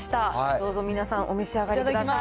どうぞ皆さん、お召し上がりください。